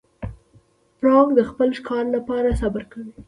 پړانګ د خپل ښکار لپاره صبر کوي.